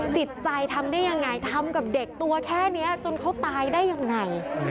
จิตใจทำได้ยังไงทำกับเด็กตัวแค่นี้จนเขาตายได้ยังไง